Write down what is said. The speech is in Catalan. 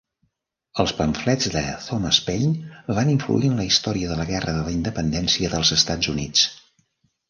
Els pamflets de Thomas Paine van influir en la història de la Guerra de la Independència dels Estats Units.